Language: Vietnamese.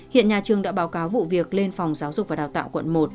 hiện nhà trường đã báo cáo vụ việc lên phòng giáo dục và đào tạo quận một